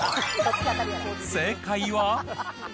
正解は。